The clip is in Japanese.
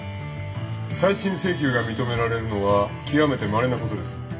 再審請求が認められるのは極めてまれなことです。